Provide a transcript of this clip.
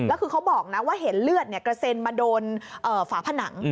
แล้วคือเขาบอกนะว่าเห็นเลือดกระเซ็นมาโดนฝาผนัง